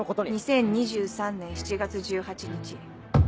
２０２３年７月１８日。